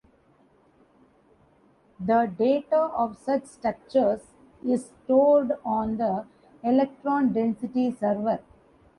The data of such structures is stored on the "electron density server".